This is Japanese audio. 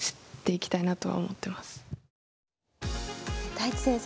太地先生